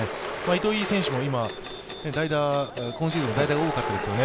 糸井選手も、今シーズン代打が多かったですよね。